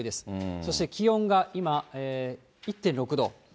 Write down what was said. そして気温が今、１．６度。